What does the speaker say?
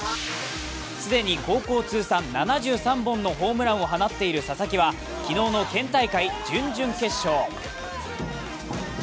既に高校通算７３本のホームランを放っている佐々木は昨日の県大会、準々決勝。